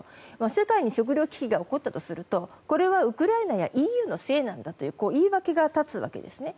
世界に食糧危機が起こったとするとこれはウクライナやＥＵのせいなんだという言い訳が立つわけですね。